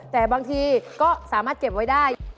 แต่บางทีก็สามารถเก็บไว้ได้